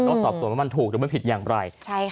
ต้องสอบสมมติว่ามันถูกหรือไม่ผิดอย่างไร